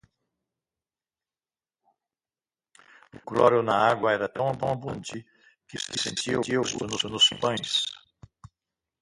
O cloro na água era tão abundante que se sentia o gosto nos pães.